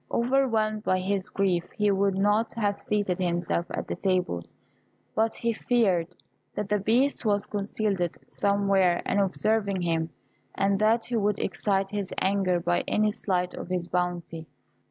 Overwhelmed by his grief, he would not have seated himself at the table, but that he feared that the Beast was concealed somewhere, and observing him, and that he would excite his anger by any slight of his bounty.